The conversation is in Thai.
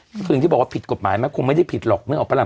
คืออย่างที่บอกว่าผิดกฎหมายมั้ยคงไม่ได้ผิดหรอกมิอบพระรรณ